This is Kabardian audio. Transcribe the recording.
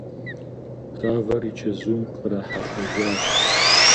Гъавэр и чэзум кърахьэлӀэжащ.